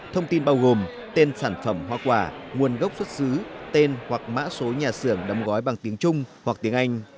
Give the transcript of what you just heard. thông tin bao gồm tên sản phẩm hoa quả nguồn gốc xuất xứ tên hoặc mã số nhà xưởng đóng gói bằng tiếng trung hoặc tiếng anh